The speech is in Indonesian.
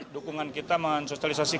dukungan kita men sosialisasi